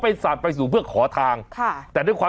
เปิดไฟขอทางออกมาแล้วอ่ะ